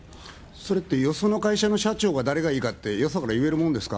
それってよその会社の社長が誰がいいかって、よそから言えるものですか？